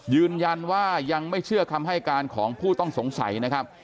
ยืนยันว่ายังไม่เชื่อคำให้การของผู้ต้องสงสัยนะครับ